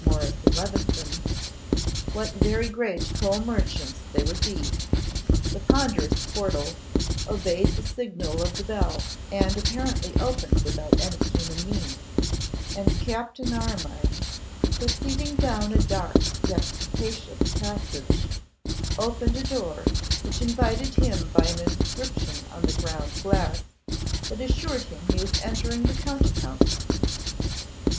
Morris and Levison, what very great coal merchants they would be! The ponderous portal obeyed the signal of the bell, and apparently opened without any human means; and Captain Armine, proceeding down a dark yet capacious passage, opened a door, which invited him by an inscription on ground glass that assured him he was entering the counting house.